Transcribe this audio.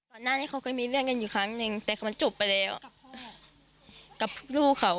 ตอนนั้นให้เขาก็มีเรื่องกันอยู่ครั้งหนึ่งแต่เขามันจบไปแล้วกับพ่อ